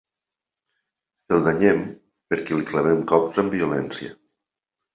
El danyem perquè li clavem cops amb violència.